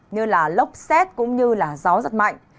như là lốc xét cũng như là gió giật mạnh